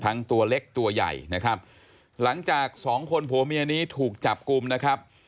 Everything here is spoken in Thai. ตัวเล็กตัวใหญ่นะครับหลังจากสองคนผัวเมียนี้ถูกจับกลุ่มนะครับ